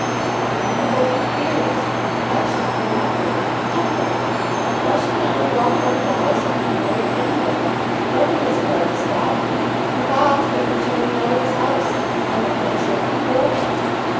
"I wonder what he fears. I should fear nothing, nothing. Why should not we walk out of the house, and be married any way? Nobody has a right to stop me. Papa could only turn me out of his house. I will venture if he will."